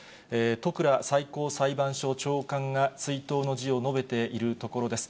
戸倉最高裁判所長官が追悼の辞を述べているところです。